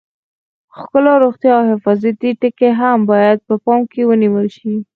ښکلا، روغتیا او حفاظتي ټکي هم باید په پام کې ونیول شي.